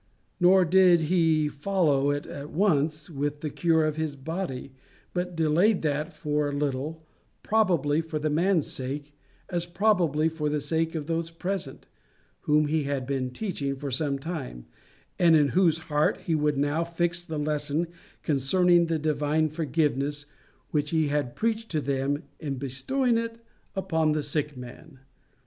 Nor did he follow it at once with the cure of his body, but delayed that for a little, probably for the man's sake, as probably for the sake of those present, whom he had been teaching for some time, and in whose hearts he would now fix the lesson concerning the divine forgiveness which he had preached to them in bestowing it upon the sick man.